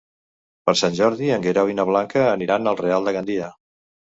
Per Sant Jordi en Guerau i na Blanca aniran al Real de Gandia.